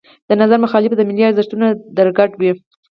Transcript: د نظر مخالف د ملي ارزښتونو درګډ وي.